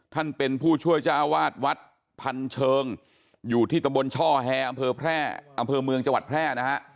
ท่านเป็นผู้ช่วยเจ้าวาดวัดพันเชิงอยู่ที่ตำบลช่อแฮอำเภอแพร่อำเภอเมืองจังหวัดแพร่นะฮะ